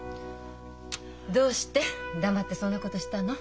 どうして黙ってそんなことしたの？